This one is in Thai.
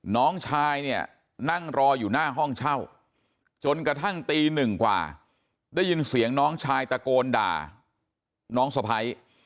น้องชายเนี่ยนั่งรออยู่หน้าห้องเช่าจนกระทั่งตีหนึ่งกว่าได้ยินเสียงน้องชายตะโกนด่าน้องสะพ้าย